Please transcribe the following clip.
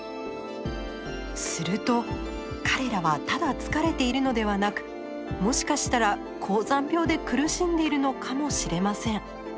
すると彼らはただ疲れているのではなくもしかしたら高山病で苦しんでいるのかもしれません。